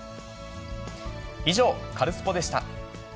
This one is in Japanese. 以上、カルスポっ！でした。